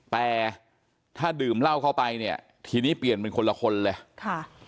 แต่ถ้าดื่มเหล้าเข้าไปเนี่ยทีนี้เปลี่ยนเป็นคนละคนเลยค่ะ